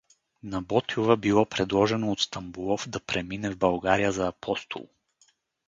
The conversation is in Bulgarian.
На Ботйова било предложено от Стамболов да премине в България за апостол.